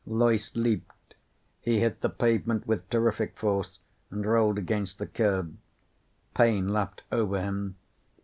Loyce leaped. He hit the pavement with terrific force and rolled against the curb. Pain lapped over him.